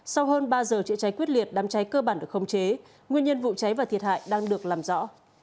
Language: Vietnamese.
sau hơn ba giờ chữa cháy quyết liệt đám cháy cơ bản được khống chế nguyên nhân vụ cháy và thiệt hại đang được làm rõ